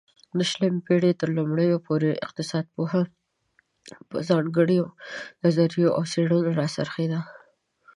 د شلمې پيړۍ ترلومړيو پورې اقتصادي پوهه په ځانگړيو نظريو او څيړنو را څرخيده